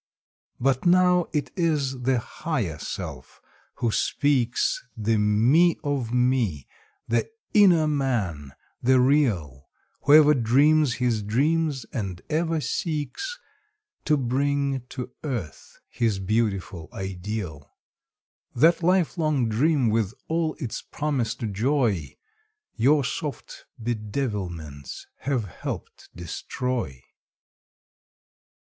But now it is the Higher Self who speaks— The Me of me—the inner Man—the real— Whoever dreams his dream and ever seeks To bring to earth his beautiful ideal. That lifelong dream with all its promised joy Your soft bedevilments have helped destroy.